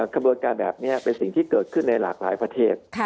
ขบวนการแบบนี้เป็นสิ่งที่เกิดขึ้นในหลากหลายประเทศ